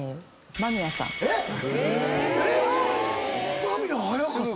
⁉間宮早かったよな？